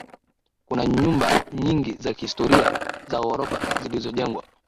Kuna nyumba nyingi za kihistoria za ghorofa zilizojengwa